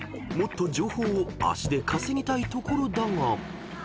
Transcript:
［もっと情報を足で稼ぎたいところだが］